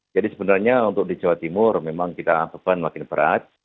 jadi sebenarnya untuk di jawa timur memang kita anggapan makin berat